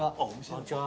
こんにちは。